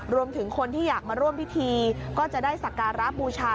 รวมถึงคนที่อยากมาร่วมพิธีก็จะได้สักการะบูชา